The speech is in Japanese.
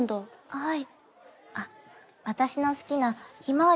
はい。